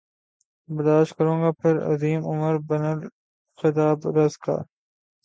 برداشت کروں گا پھر عظیم عمر بن الخطاب رض کا